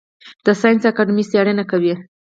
د ساینس اکاډمي څیړنې کوي؟